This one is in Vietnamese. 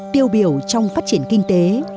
tiêu biểu trong phát triển kinh tế